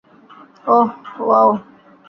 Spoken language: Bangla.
ওহহ, ওয়াও।